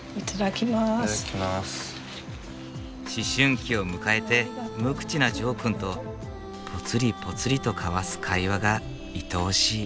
思春期を迎えて無口なジョーくんとぽつりぽつりと交わす会話がいとおしい。